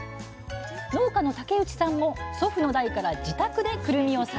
農家の竹内さんも祖父の代から自宅でくるみを栽培。